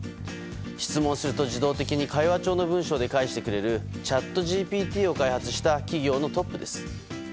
質問すると自動的に会話調に返してくれる、チャットＧＰＴを開発した企業のトップです。